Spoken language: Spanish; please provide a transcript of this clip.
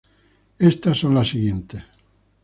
Estas son las siguientes.